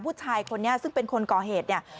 ผู้ชายคนนี้ซึ่งเป็นคนก่อเหตุเนี่ย